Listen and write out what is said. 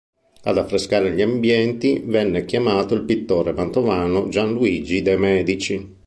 Ad affrescare gli ambienti venne chiamato il pittore mantovano Gianluigi de Medici.